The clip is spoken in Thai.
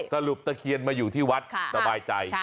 ตะเคียนมาอยู่ที่วัดสบายใจ